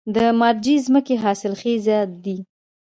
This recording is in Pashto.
د مارجې ځمکې حاصلخیزه دي